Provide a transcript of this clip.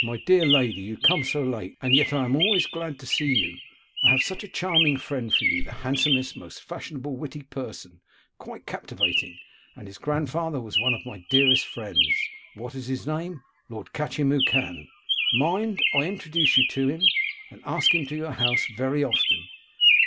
My dear lady, you come so late, and yet I am always so glad to see you. I have such a charming friend for you, the handsomest, most fashionable, witty person, quite captivating, and his grandfather was one of my dearest friends. What is his name? what is his name? Lord Catchimwhocan. Mind, I introduce you to him, and ask him to your house very often.